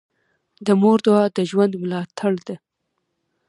د مور دعا د ژوند ملاتړ ده.